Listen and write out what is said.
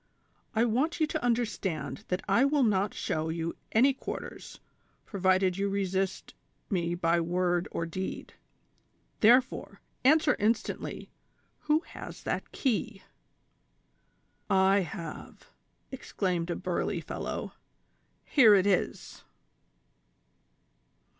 I want you to understand that I will not show you any quarters, provided you resist me by word or deed ; therefore, answer instantly, who has that key?" " I have," exclaimed a burly fellow ;" here it is."